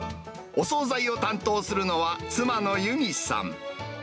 お総菜を担当するのは、妻の由美さん。